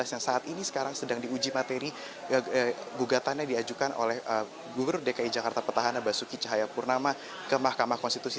yang saat ini sekarang sedang diuji materi gugatan yang diajukan oleh gubernur dki jakarta petahana basuki cahayapurnama ke mahkamah konstitusi